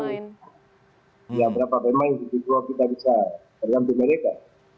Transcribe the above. bukan ya berapa pemain kita bisa berganti mereka